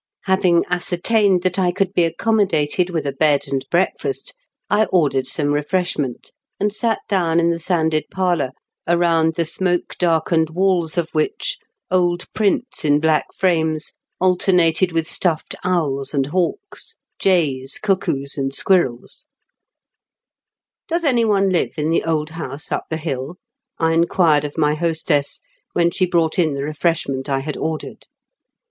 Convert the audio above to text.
Having ascertained that I could be accommodated with a bed and 234 IN KENT WXTM CSJELE8 mCKENS. breakfEKst, I ordered sonie refreshmeitt, aiul sat dawn in tibe sanded parlour, around iike smoke darkened walls of which old prints in black firames alt^nated with stuffed owls and hawks, jays, cuckoos, and squirrels, "Does anyone live in the old house wp the hill?" I inquired of my hostess, when she brought in the refreshment I had ordered.